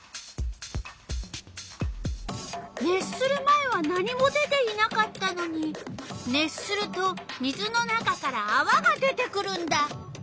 熱する前は何も出ていなかったのに熱すると水の中からあわが出てくるんだ。